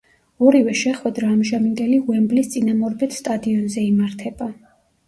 ორივე შეხვედრა ამჟამინდელი „უემბლის“ წინამორბედ სტადიონზე იმართება.